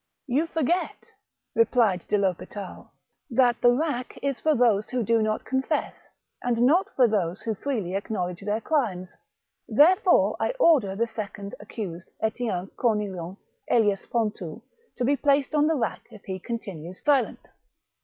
*' You forget," repKed de I'Hospital, " that the rack is for those who do not confess, and not for those who freely acknowledge their crimes. Therefore I order the second accused, Etienne Cornillant, alias Pontou, to be placed on the rack if he continues silent.